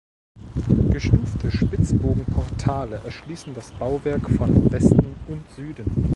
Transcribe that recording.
Gestufte Spitzbogenportale erschließen das Bauwerk von Westen und Süden.